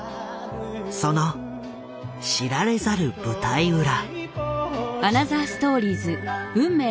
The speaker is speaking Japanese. その知られざる舞台裏。